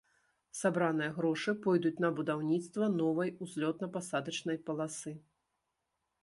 Сабраныя грошы пойдуць на будаўніцтва новай узлётна-пасадачнай паласы.